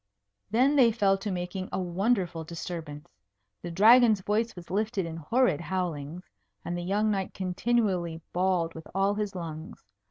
Then they fell to making a wonderful disturbance. The Dragon's voice was lifted in horrid howlings; and the young knight continually bawled with all his lungs.